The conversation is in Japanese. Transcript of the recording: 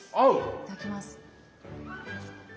いただきます。